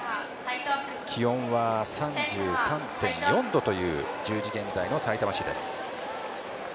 気温は３３．４度という１０時現在のさいたま市です。